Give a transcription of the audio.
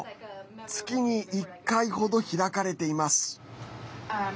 月に１回ほど開かれています。